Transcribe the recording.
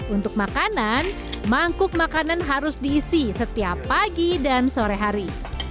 untuk makanan mangkuk makanan harus diisi setiap pagi dan sore hari